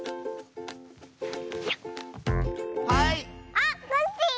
あっコッシー！